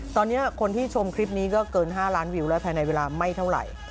ตอนนี้คนที่ชมคลิปนี้ก็เกิน๕ล้านวิวแล้วภายในเวลาไม่เท่าไหร่